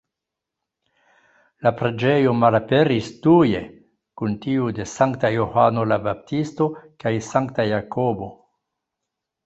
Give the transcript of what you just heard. La preĝejo malaperis tuje, kun tiu de Sankta Johano la Baptisto kaj Sankta Jakobo.